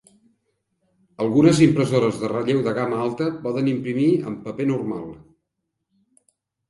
Algunes impressores de relleu de gamma alta poden imprimir en paper normal.